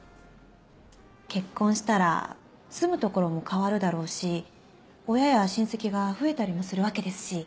結婚したら住む所も変わるだろうし親や親戚が増えたりもするわけですし。